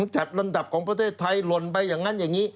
จัดลำดับของประเทศไทยหล่นไปอย่างนั้นอย่างนี้